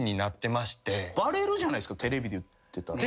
バレるじゃないですかテレビで言ってたら。